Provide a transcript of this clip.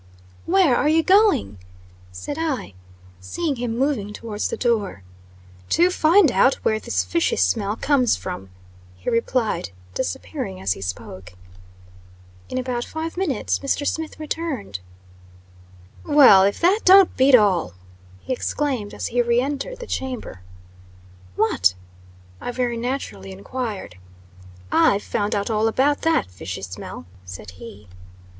"Where are you going?" said I, seeing him moving towards the door. "To find out where this fishy smell comes from," he replied, disappearing as he spoke. In about five minutes, Mr. Smith returned. "Well, if that don't beat all!" he exclaimed, as he re entered the chamber. "What?" I very naturally enquired. "I've found out all about that fishy smell," said he.